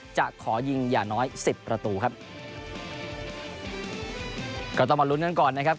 จะขอยิงอย่าน้อยสิบประตูครับก็ต้องมาลุ้นกันก่อนนะครับ